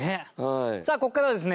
さあ、ここからはですね